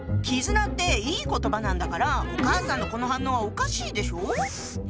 「絆」っていい言葉なんだからお母さんのこの反応はおかしいでしょ？